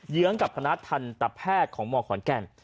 เยื้องกับคณะทันตรัพย์แพทย์ของหมอกขอนแก้น